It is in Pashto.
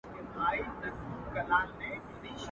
ښکلي زلمي به یې تر پاڼو لاندي نه ټولیږي.